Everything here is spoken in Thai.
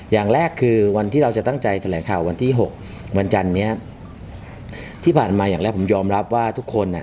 อย่างแรกคือวันที่เราจะตั้งใจแถลงข่าววันที่หกวันจันเนี้ยที่ผ่านมาอย่างแรกผมยอมรับว่าทุกคนอ่ะ